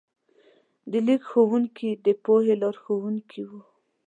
د لیک ښوونکي د پوهې لارښوونکي وو.